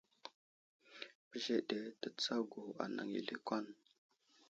Bəzeɗe tətsago anaŋ i lakwan.